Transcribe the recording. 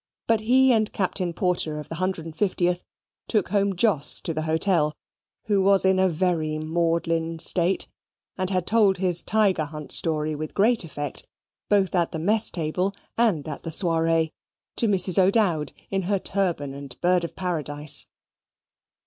But he and Captain Porter of the 150th took home Jos to the hotel, who was in a very maudlin state, and had told his tiger hunt story with great effect, both at the mess table and at the soiree, to Mrs. O'Dowd in her turban and bird of paradise.